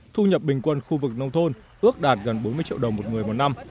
thu nhập bình quân khu vực nông thôn ước đạt gần bốn mươi triệu đồng một người một năm